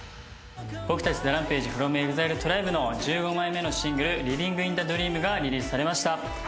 僕たちＴＨＥＲＡＭＰＡＧＥｆｒｏｍＥＸＩＬＥＴＲＩＢＥの１５枚目のシングル『ＬＩＶＩＮＧＩＮＴＨＥＤＲＥＡＭ』が今週リリースされました。